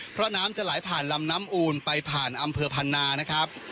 เพราะน้ำจะไหลผ่านลำน้ำอูลไปผ่านอำเภอพันนานะครับ